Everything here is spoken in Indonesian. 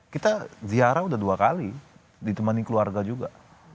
kita ziarah udah dua kali ditemani keluarga juga